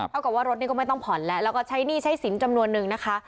กับว่ารถนี้ก็ไม่ต้องผ่อนแล้วแล้วก็ใช้หนี้ใช้สินจำนวนนึงนะคะ